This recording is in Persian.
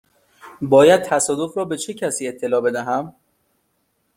باید تصادف را به چه کسی اطلاع بدهم؟